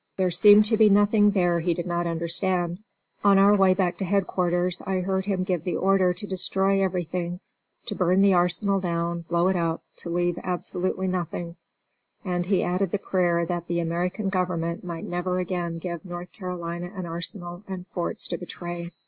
There seemed to be nothing there he did not understand. On our way back to headquarters I heard him give the order to destroy everything, to burn the arsenal down, blow it up, to leave absolutely nothing, and he added the prayer that the American government might never again give North Carolina an arsenal and forts to betray.